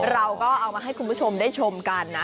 เราก็เอามาให้คุณผู้ชมได้ชมกันนะ